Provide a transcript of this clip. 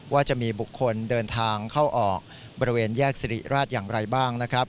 ว่าจะมีบุคคลเดินทางเข้าออกบริเวณแยกสิริราชอย่างไรบ้างนะครับ